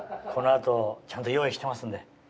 この後ちゃんと用意してますんで。